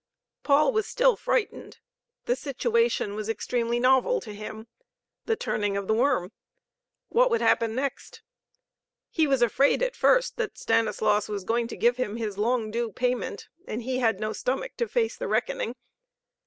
Paul was still frightened. The situation was extremely novel to him. The turning of the worm! What would happen next! He was afraid at first that Stanislaus was going to give him his long due payment, and he had no stomach to face the reckoning.